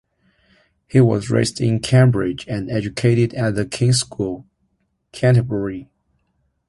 He was raised in Cambridge and educated at The King's School, Canterbury.